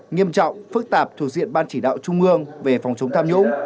nghiêm trọng phức tạp thuộc diện ban chỉ đạo trung ương về phòng chống tham nhũng